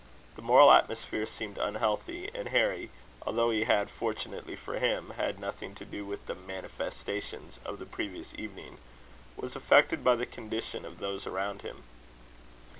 The moral atmosphere seemed unhealthy; and Harry, although he had, fortunately for him, had nothing to do with the manifestations of the previous evening, was affected by the condition of those around him.